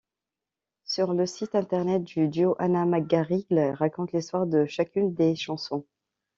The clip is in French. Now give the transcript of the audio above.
Sur le site internet du duo, Anna McGarrigle raconte l'histoire de chacune des chansons.